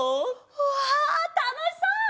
わあたのしそう！